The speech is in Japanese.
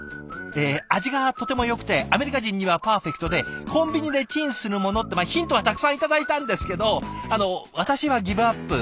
え味がとてもよくてアメリカ人にはパーフェクトでコンビニでチンするものってヒントはたくさん頂いたんですけどあの私はギブアップ。